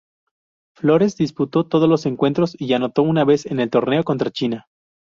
Flores disputó todos los encuentros y anotó una vez en el torneo contra China.